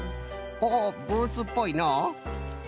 おおブーツっぽいのう。